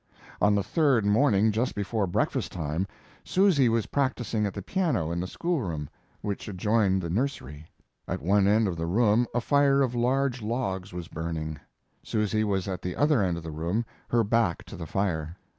On the third morning, just before breakfast time, Susy was practising at the piano in the school room, which adjoined the nursery. At one end of the room a fire of large logs was burning. Susy was at the other end of the room, her back to the fire.